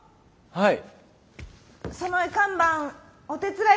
はい。